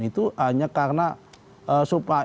itu hanya karena supaya